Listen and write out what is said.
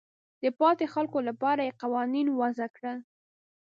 د پاتې خلکو لپاره یې قوانین وضع کړل.